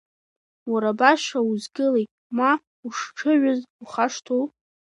Уара баша узгылеи, ма ушҽыжәыз ухашҭу?!